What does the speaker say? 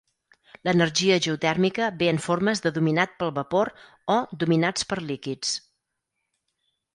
L'energia geotèrmica ve en formes de "dominat pel vapor" o "dominats per líquids".